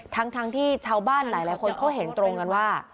ทั้งที่ชาวบ้านหลายคนเขาเห็นตรงกันว่า